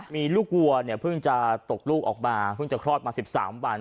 มีลูกวัวเนี่ยเพิ่งจะตกลูกออกมาเพิ่งจะคลอดมา๑๓วัน